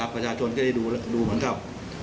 ประชาชนก็ได้ดูเหมือนกับ